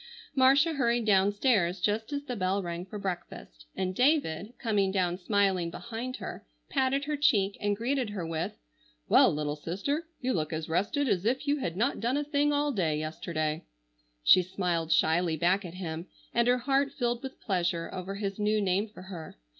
Marcia hurried downstairs just as the bell rang for breakfast, and David, coming down smiling behind her, patted her cheek and greeted her with, "Well, little sister, you look as rested as if you had not done a thing all day yesterday." She smiled shyly back at him, and her heart filled with pleasure over his new name for her.